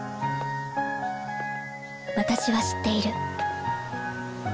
私は知っている。